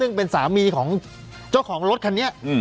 ซึ่งเป็นสามีของเจ้าของรถคันนี้